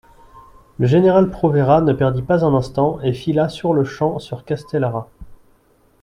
Le général Provera ne perdit pas un instant et fila sur-le-champ sur Castellara.